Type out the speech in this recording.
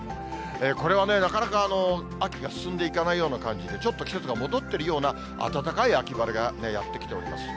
これはね、なかなか秋が進んでいかないような感じで、ちょっと季節が戻ってるような、暖かい秋晴れがやって来ております。